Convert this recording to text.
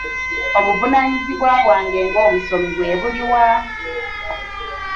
Obuvunaanyizibwa bwange ng'omusomi bwe buli wa?